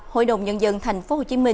hội đồng nhân dân tp hcm